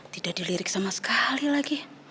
tidak dilirik sama sekali lagi